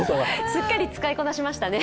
すっかり使いこなしましたね。